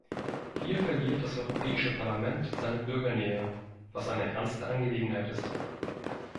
Hier verliert das Europäische Parlament seine Bürgernähe, was eine ernste Angelegenheit ist.